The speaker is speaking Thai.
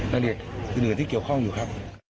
ละเอียดอื่นที่เกี่ยวข้องอยู่ครับ